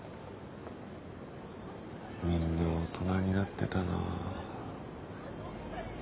みんな大人になってたなぁ。